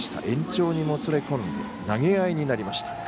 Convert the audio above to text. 延長に、もつれ込んで投げ合いになりました。